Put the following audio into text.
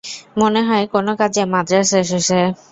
মনে হয় কোন কাজে মাদ্রাজ এসেছে।